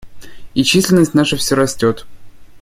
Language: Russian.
И численность наша все растет.